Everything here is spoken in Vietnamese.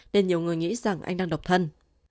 nên nhiều người nghĩ rằng anh đang độc thân